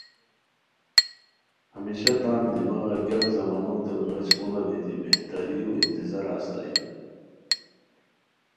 ہمیشہ تان دماغہ گیاک زمانوتین غیچ پونہ دیتی بہتریو انتظارہ استائے